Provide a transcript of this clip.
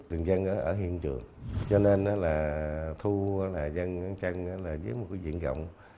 từng dân ở hiện trường cho nên là thu dân chân là với một cái viện rộng